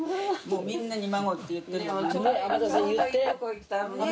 もうみんなに孫って言ってるもんね。